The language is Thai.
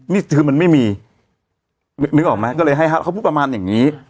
นี่คือมันไม่มีนึกออกไหมก็เลยให้เขาพูดประมาณอย่างนี้